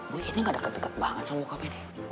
boy ini gak deket deket banget sama bokapnya nih